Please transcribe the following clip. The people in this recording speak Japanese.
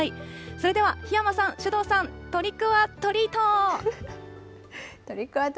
それでは檜山さん、首藤さん、トリックオアトリート。